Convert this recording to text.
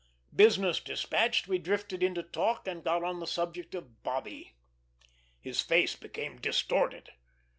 Business despatched, we drifted into talk, and got on the subject of Bobby. His face became distorted.